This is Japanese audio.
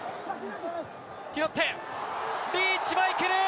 拾って、リーチマイケル！